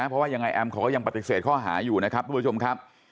เพราะว่ายังไงแอมเขาก็ยังปฏิเสธข้อหาอยู่นะครับทุกผู้ชมครับ